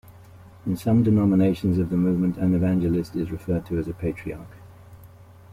In some denominations of the movement, an evangelist is referred to as a patriarch.